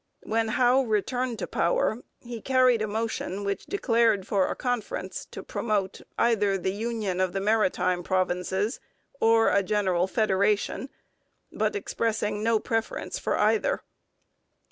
When Howe returned to power, he carried a motion which declared for a conference to promote either the union of the Maritime Provinces or a general federation, but expressing no preference for either.